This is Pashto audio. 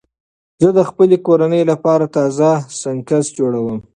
زه د خپلې کورنۍ لپاره تازه سنکس جوړوم.